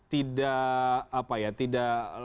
tidak apa ya tidak